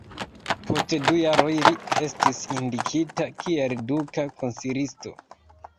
Post du jaroj li estis indikita kiel duka konsilisto.